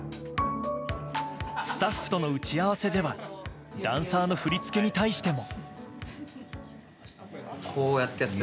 スタッフとの打ち合わせではダンサーの振り付けに対しても。